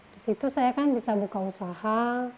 disitu saya kan bisa buka usaha